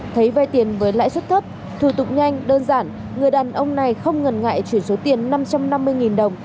thấy vai tiền với lãi suất thấp thủ tục nhanh đơn giản người đàn ông này không ngần ngại chuyển số tiền năm trăm năm mươi đồng